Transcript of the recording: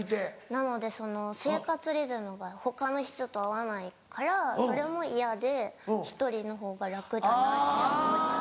なのでその生活リズムが他の人と合わないからそれも嫌で１人のほうが楽だなって。